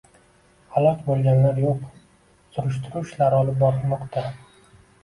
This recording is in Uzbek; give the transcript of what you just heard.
Halok boʻlganlar yoʻq. Surishtiruv ishlari olib borilmoqda.